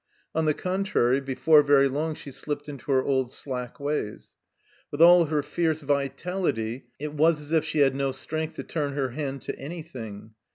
On the contrary, before very long she slipped into her old slack ways. With all her fierce vitality it was as if she had no strength to turn her hand to anything.